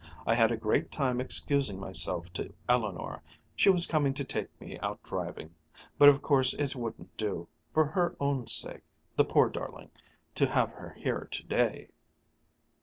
I had a great time excusing myself to Eleanor she was coming to take me out driving but of course it wouldn't do for her own sake the poor darling to have her here today!"